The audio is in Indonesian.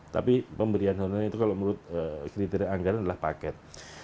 tapi pemberian honor itu kalau menurut kriteria anggaran adalah paket